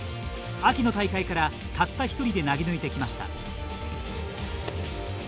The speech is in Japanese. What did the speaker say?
秋の大会から、たった一人で投げ抜いてきました。